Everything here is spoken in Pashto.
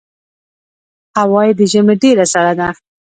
هوا یې د ژمي ډېره سړه ده.